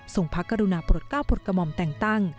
พระกรุณาปลดก้าวปลดกระหม่อมแต่งตั้ง